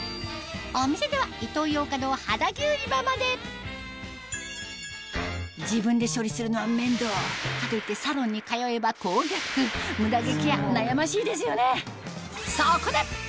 お店では自分で処理するのは面倒かといってサロンに通えば高額ムダ毛ケア悩ましいですよね